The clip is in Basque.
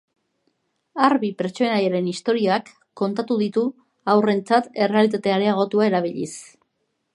Arbi pertsonaiaren historiak kontatu ditu haurrentzat errealitate areagotua erabiliz.